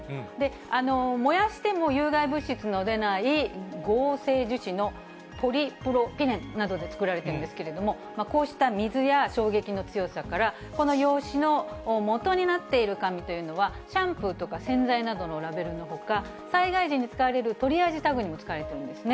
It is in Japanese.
燃やしても有害物質の出ない、合成樹脂のポリプロピレンなどで作られているんですけれども、こうした水や衝撃の強さから、この用紙のもとになっている紙というのは、シャンプーとか洗剤などのラベルのほか、災害時に使われるトリアージタグにも使われているんですね。